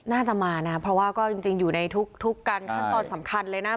น่าจะมานะเพราะว่าก็จริงอยู่ในทุกการขั้นตอนสำคัญเลยนะ